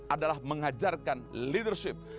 adalah mengajarkan leadership